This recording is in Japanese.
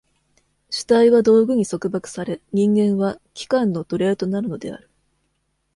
主体は道具に束縛され、人間は器官の奴隷となるのである。